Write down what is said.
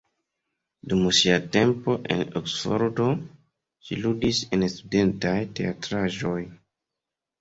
Dum ŝia tempo en Oksfordo, ŝi ludis en studentaj teatraĵoj.